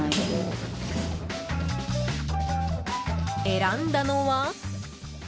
選んだのは？